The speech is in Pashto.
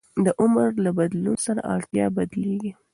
د عمر له بدلون سره اړتیا بدلېږي.